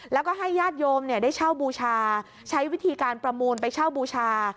แล้วก็ให้ญาติโยมได้เช่าบูชาใช้วิธีการประมูลไปเช่าบูชา